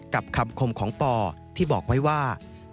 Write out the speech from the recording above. กับคำคมของปอที่บอกไว้ว่า